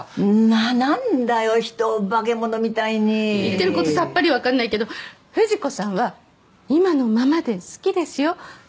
なんだよ人を化け物みたいに言ってることさっぱりわかんないけど富士子さんは今のままで好きですよ